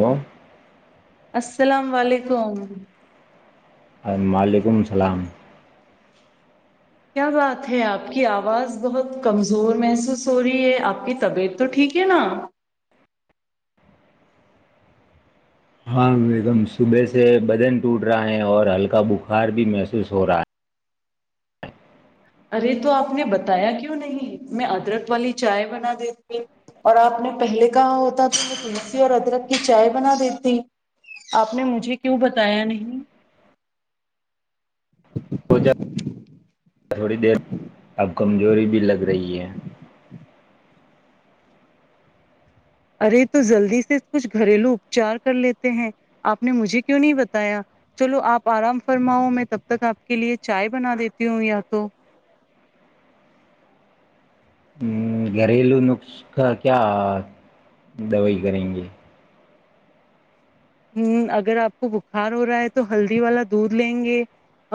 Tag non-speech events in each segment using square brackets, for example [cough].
وہ [inaudible] السلام علیکم [inaudible] وعلیکم السلام [inaudible] کیا بات ہے آپ کی آواز بہت کمزور محسوس ہو رہی ہے آپ کی طبیعت تو ٹھیک ہے نا [inaudible] ہاں بییگم صبح سے بدن ٹوٹ رہا ہے اور ہلکا بخار بھی محسوس ہو رہا ہے [inaudible] ارے تو آپ نے بتایا کیوں نہیں میں ادرک والی چائے بنا دیتی اور آپ نے پہلے کہا ہوتا تھا میں تلسی اور ادرک کی چائے بنا دیتی آپ نے مجھے کیوں بتایا نہیں [inaudible] تھوڑی دیر [inaudible] اب کمزوری بھی لگ رہی ہے [inaudible] ارے تو جلدی سے کچھ گھریلو اپچار کر لیتے ہیں آپ نے مجھے کیوں نہیں بتایا چلو آپ آرام فرماؤ میں تب تک آپ کے لیے چائے بنا دیتی ہوں یا تو [inaudible] گھریلو نسخ کیا دوائی کریں گے [inaudible] ہ اگر آپ کو بخار ہو رہا ہے تو ہلدی والا دودھ لیں گے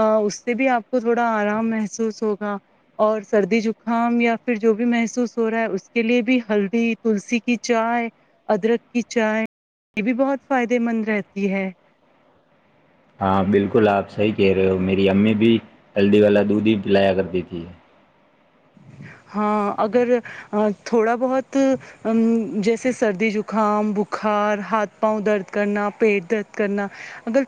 اس سے بھی آپ کو تھوڑا آرام محسوس ہوگا اور سردی جکام یا پھر جو بھی محسوس ہو رہا ہے اس کے لیے بھی ہلدی تلسی کی چائے ادرک کی چائے یہ بھی بہت فائدے مند رہتی ہے ہاں بالکل آپ صحیح کہہ رہے ہو میری امی بھی ہلدی والا دودھ ہی پلایا کرتی تھی ہاں اگر تھوڑا بہت جیسے سردی زکام بخار ہاتھ پاؤں درد کرنا پیٹ درد کرنا اگر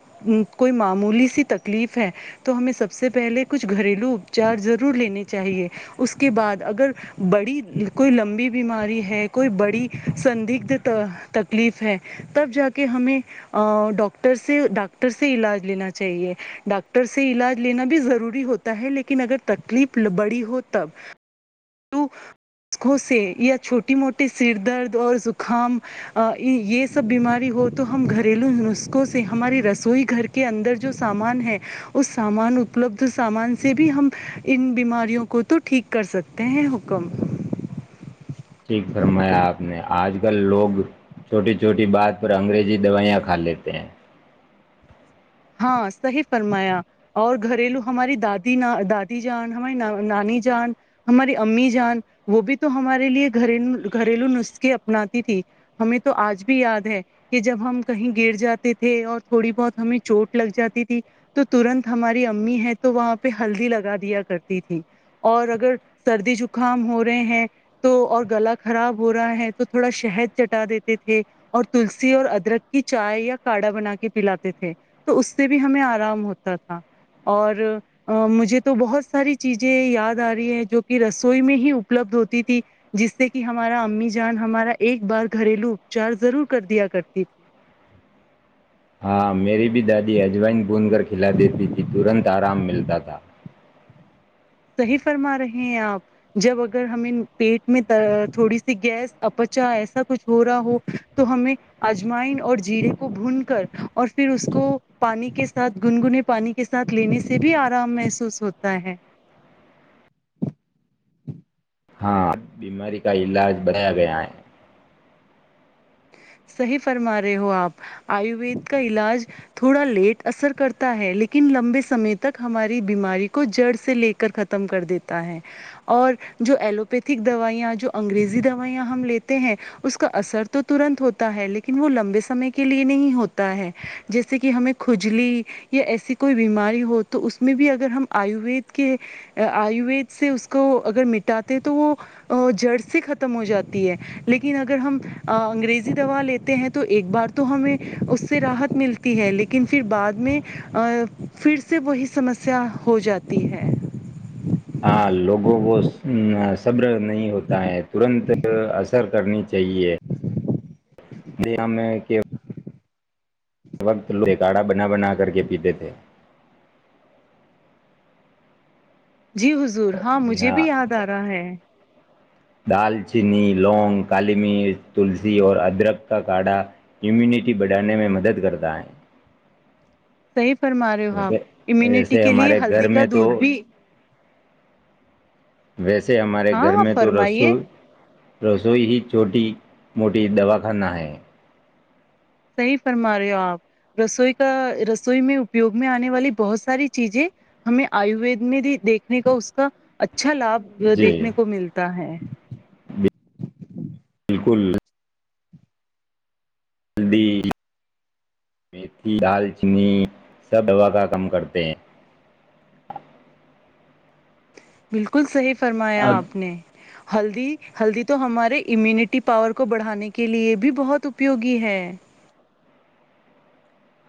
کوئی معمولی سی تکلیف ہے تو ہمیں سب سے پہلے کچھ گھریلو اپچار ضرور لنے چاہیے اس کے بعد اگر بڑی کوئی لمبی بیماری ہے کوئی بڑی سدگھ تکلیف ہے تب جا کے ہمیں ڈاکٹر سے ڈاکٹر سے علاج لینا چاہیے ڈاکٹر سے علاج لینا بھی ضروری ہوتا ہے لیکن اگر تکلیف بڑی ہو تب جو نسخوں سے یا چھوٹی موٹے سر درد اور زکام یہ سب بیماری ہو تو ہم گھریلو نسخوں سے ہماری رسوئی گھر کے اندر جو سامان ہے اس سامان اپلبدھ سامان سے بھی ہم ان بیماریوں کو تو ٹھیک کر سکتے کہ حکم ٹھیک فرمایا آپ نے آج کل لوگ چھوٹی چھوٹی بات پر انگریزی دوائیاں کھا لیتے ہیں ہاں صحیح فرمایا اور گھریلو ہماری دادی دادی جان ہماری نانی جان ہماری امی جان وہ بھی تو ہمارے لیے گھریلو گھریلو نسخے اپناتی تھی ہمیں تو آج بھی یاد ہے کہ جب ہم کہیں گر جاتے تھے اور تھوڑی بہت ہمیں چوٹ لگ جاتی تھی تو ترنت ہماری امی ہے تو وہاں پہ ہلدی لگا دیا کرتی تھی اور اگر سردی جکام ہو رہے ہیں تو اور گلا خراب ہو رہا ہے تو تھوڑا شہد چٹا دیتے تھے اور تلسی اور ادرک کی چائے یا کاڑھا بنا کے پلاتے تھے تو اس سے بھی ہمیں آرام ہوتا تھا اور مجھے تو بہت ساری چیزیں یاد آ رہی ہے جو کہ رسوئی میں ہی اپلبدھ ہوتی تھی جس سے کہ ہمارا امی جان ہمارا ایک بار گھریلو اپچار ضرور کر دیا کرتی تھی ہاں میری بھی دادی اجوائن بند کر کھلا دیتی تھی ترنت آرام ملتا تھا [inaudible] صحیح فرما رہے ہیں آپ جب اگر ہمیں پیٹ میں تھوڑی سی گیس اپچا ایسا کچھ ہو رہا ہو تو ہمیں اجمائن اور جیرے کو بھون کر اور پھر اس کو پانی کے ساتھ گنگنے پانی کے ساتھ لینے سے بھی آرام محسوس ہوتا ہے ہاں بیماری کا علاج بنایا گیا ہے سحی فرما رہے ہو آپ آیوروید کا علاج تھوڑا لیٹ اثر کرتا ہے لیکن لمبے سمے تک ہماری بیماری کو جڑ سے لے کر ختم کر دیتا ہے اور جو ایلوپیتھک دوائیاں جو انگریزی دوائیاں ہم لیتے ہیں اس کا اثر تو تنت ہوتا لیکن وہ لمبے سمے کے لیے نہیں ہوتا ہے جیسے کہ ہمیں کھجلی یا ایسی کوئی بیماری ہو تو اس میں بھی اگر ہم آیوید کے آیوید سے اس کو اگر مٹاتے تو وہ جڑ سے ختم ہو جاتی ہے لیکن اگر ہم انگریز دوا لیتے ہیں تو ایک بار تو ہمیں اس سے راحت ملتی ہے لیکن پھر بعد میں پھر سے وہی سمسیا ہو جاتی ہے ہاں لوگوں کو صبر نہیں ہوتا ہے ترنت اثر کرنی جے جی میں کہ ہر وقت لوگ ایک کاڑھا بنا بنا کر کےے پیتے تھے جی حضور ہاں مجھے بھی یاد آ رہا ہے دال چینی لونگ کالی مرچ تلسی اور ادرک کا کاڑھا امیونٹی بڑھانے میں مدد کرتا ہے صحیح فرما رہے ہو آپ امیونٹی ویسے کے لیے ہمارے گھر ہلدی کا میں تو دودھ بھی ویسے ہمارے گھر ہاں میں تو فرمائیے رسول رسوئی ہی چھوٹی موٹی دواخانہ ہے صحیح فرما رہے ہو آپ رسوئی کا رسوئی میں اپیوگ میں آنے والی بہت ساری چیزیں ہمیں آیوید میں بھی دیکھنے کا اس کا اچا اچھا لابھ جی دیکھنے کو ملتا ہے کل ہلدی میتھی دال چینی سب دوا کا کم کرتے ہیں بالکل صحی فرمایا اب آپ نے ہلدی ہلدی تو ہمارے امیونٹی پاور کو بڑھانے کے لیے بھی بہت اپیوگی ہے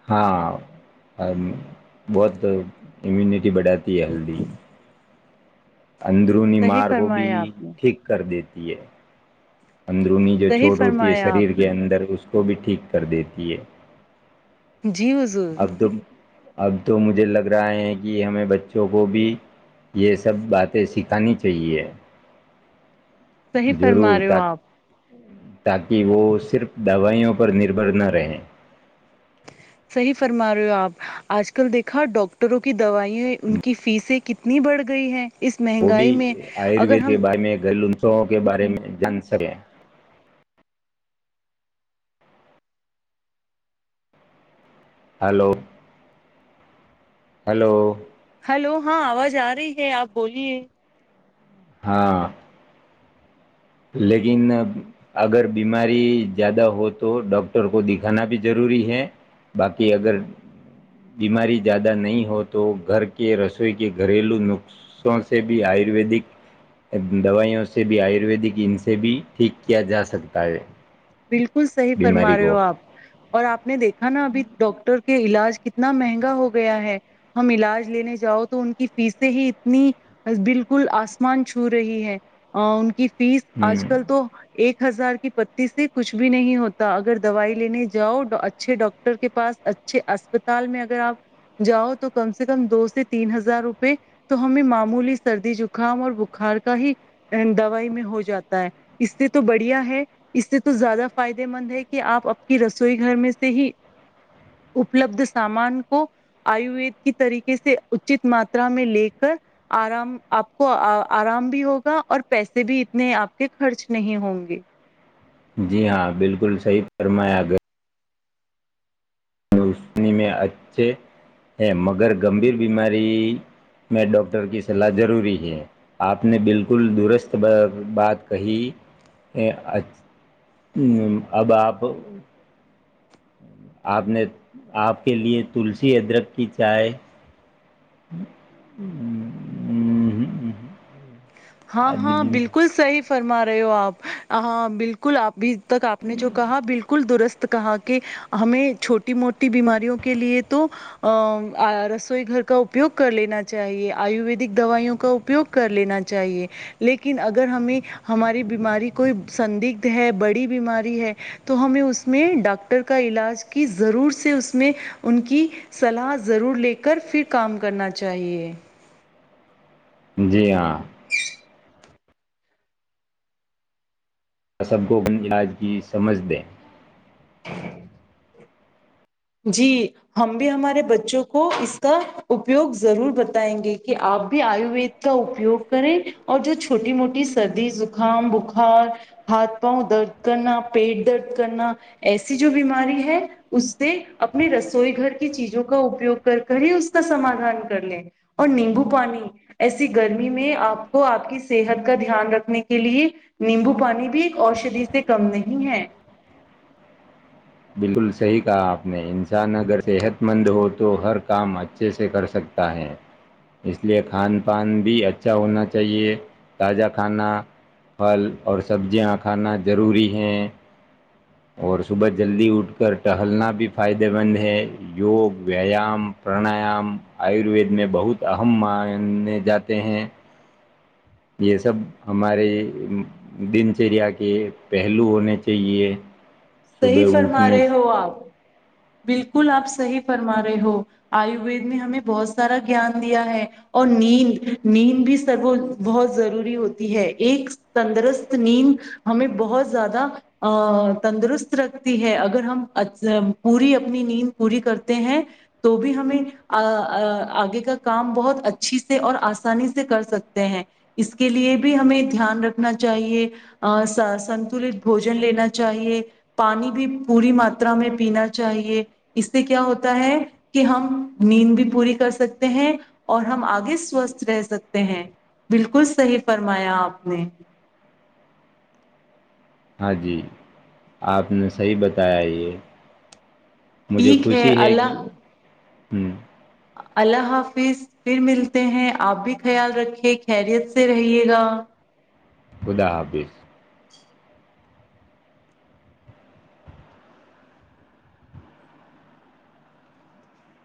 ہاں بہت امیونٹی بڑھاتی ہے ہلدی اندرونی صحیح مار کو بھی فرمایا آپ نے ٹھیک کر دیتی یہ ہے اندرونی جو صحیح چھوٹ ہوتی ہے فرمایا شریر آپ نے کے اندر اس کو بھی ٹھیک کر دیتی ہے جی وض اب تو اب تو مجھے لگ رہا ہے کہ ہمیں بچوں کو بھی یہ سب باتیں سکھانی چاہیے صحی فرما ضرور رہ ہو تاکہ آپ تاکہ وہ صرف دوائیوں پر نربھر نہ رہے صحیح فرما رہے ہو آپ آج کل دیکھا ڈاکٹروں کی دوائیں ان کی فیسیں کتنی بڑھ گئی ہیں اس وہبی مہنگائی میں اگر آیرووروید کے ہم بارے میں گھلوںوم سے شووں کے بارے میں جان سکیں ہلو ہلو ہلو ہاں آواز آ رہی ہے آپ بولیے ہاں لیکن اگر بیماری زیادہ ہو تو ڈاکٹر کو دکھانا بھی ضروری ہے باقی اگر بیماری زیادہ نہیں ہو تو گھر کے رسوئی کے گھریلو نخوں سے بھی آیورویدک دوائیوں سے بھی آیورویدک ان سے بھی ٹھیک کیا جا سکتا ہے بالکل صحیح فرما بیماری رہے کو ہو آپ اور آپ نے دیکھا نا ابھی ڈاکاکٹر کے علاج کتنا مہنگا ہو گیا ہے ہم علاج لینے جاؤ تو ان کی فیسیں ہی اتنی بالکل آسمان چھو رہی ہے ان کی فیس ہ آج کل تو ایک ہزار کی بتی س کچھ بھی نہیں ہوتا اگر دوائی لینے جاؤ اچھے ڈاکٹر کے پاس اچھے اسپتال میں اگر آپ جاؤ تو کم سے کم دو سے تین ہزار روپئے تو ہمیں معمولی سردی زکام اور بخار کا ہی دوائی میں ہو جاتا ہے اس سے تو بڑھیا ہے اس سے تو زیادہ فائدے مند ہے کہ آپ آپ کی رسوئی گھر میں سے ہی اپلبھ سامان کو آیوید کی طریقے سے اچت ماترا میں لے کر آرام آپ کو آرام بھی ہوگا اور پیسے بھی اتنے آپ کے خرچ نہیں ہوں گے جی ہاں بالکل صحیح فرمایا گ رونی میں اچھے ہیں مگر گمبھیر بیماری میں ڈاکٹر کی سلاح ضروری ہے آپ نے بالکل درست بات کہی اب آپ آپ نے آپ کے لیے تلسی ادرک کی چائے ہاں ہاں بالکل صحی فرما رہے ہو آپ ہاں بالکل آپ بھی تک آپ نے جو کہا بالکل درست کہا کہ ہمیں چھوٹی موٹی بیماریوں کے لیے تو ا رسوئی گھر کا اپیوگ کر لینا چاہیے آیویدک دوائیوں کا اپیوگ کر لینا چاہیے لیکن اگر ہمیں ہماری بیماری کوئی سندگدھ ہے بڑی بیماری ہے تو ہمیں اس میں ڈاکٹر کا علاج کی ضرور سے اس میں ان کی صلاح ضرور لے کر پھر کام کرنا چاہیے جی ہاں [inaudible] آ سب کو اپنے علاج کی سمجھ دیں جی ہم بھی ہمارے بچوں کو اس کا اپیوگ ضرور بتائیں گے کہ آپ بھی آیوروید کا اپیوگ کریں اور جو چھوٹی موٹی سردی زکام بخار ہاتھ پاؤں درد کرنا پیٹ درد کرنا ایسی جو بیماری ہے اس سے اپنی رسوئی گھر کی چیزوں کا اپیوگ کر کر ہی اس کا سماادھان کر لیں اور نیمبو پانی ایسی گرمی میں آپ کو آپ کی صحت کا دھیان رکھنے کے لیے نیمبو پانی بھی ایک اوشدھی سے کم نہیں ہے بالکل صحیح کہا آپ نے انسان اگر صحت مند ہو تو ہر کام اچھے سے کر سکتا ہے اس لیے کھان پان بھی اچھا ہونا چاہیے تازہ کھانا پھل اور سبزیاں کھانا ضروری ہیں اور صبح جلدی اٹھ کر ٹہلنا بھی فائدے مند ہے یوگ ویایام پرانایام آیوروید میں بہت ہم ماننے جاتے ہیں یہ سب ہمارے دن چریا کے پہلو ہونے چاہیے صحی صبح فرما اٹھنے رہے سے ہو آپ بالکل آپ صحی فرما رہے ہو آیووید میں ہمیں بہت سارا گان دیا ہے اور نیند نیند بھی سرب بہت ضروری ہوتی ہے ایک تندرست نیند ہمیں بہت زیادہ تندرست رکھتی ہے اگر ہم پوری اپنی نیند پوری کرتے ہیں تو بھی ہمیں آگے کا کام بہت اچھی سے اور آسانی سے کر سکتے ہیں اس کے لیے بھی ہمیں دھیان رکھنا چاہیے سنتلت بوجن لینا چاہیے پانی بھی پوری ماترا میں پینا چاہیے اس سے کیا ہوتا ہے کہ ہم نیند بھی پوری کر سکتے ہیں اور ہم آگے سوستھ رہ سکتے ہیں بالکل صحیح فرمایا آپ نے ہاں جی آپ نے صحیح بتایا یہ مجھے ٹھیک ہے خوشی کہ اللہ ہوں اللہ حافظ پھر ملتے ہیں آپ بھی خیال رکھے خیریت سے رہیے گا خدا حبظ